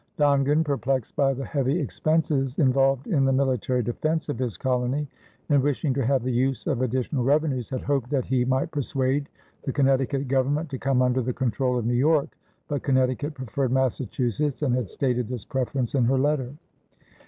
Dongan, perplexed by the heavy expenses involved in the military defense of his colony and wishing to have the use of additional revenues, had hoped that he might persuade the Connecticut Government to come under the control of New York, but Connecticut preferred Massachusetts and had stated this preference in her letter.